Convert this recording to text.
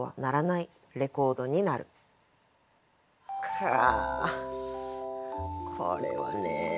かあこれはね。